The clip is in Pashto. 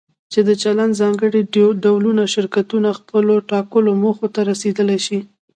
چې د چلند ځانګړي ډولونه شرکتونه خپلو ټاکلو موخو ته رسولی شي.